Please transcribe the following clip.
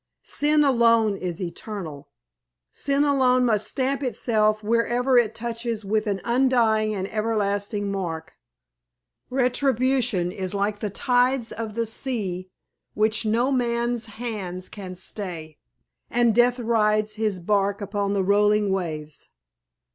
Sin alone is eternal. Sin alone must stamp itself wherever it touches with an undying and everlasting mark. Retribution is like the tides of the sea, which no man's hands can stay; and Death rides his barque upon the rolling waves.